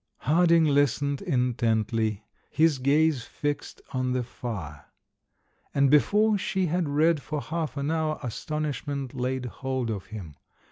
Harding listened intently, his gaze fixed on the fire. And before she had read for half an hour astonishmeirt laid hold of him.